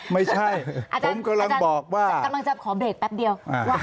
ไม่ใช่ผมกำลังบอกว่าอาจารย์กำลังจะขอเบรกแป๊บเดียว